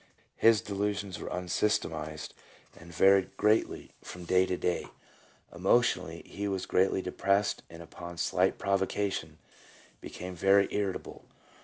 His delusions were unsystematized and varied greatly 268 PSYCHOLOGY OF ALCOHOLISM. from day to day. Emotionally, he was greatly depressed, and upon slight provocation became very irritable.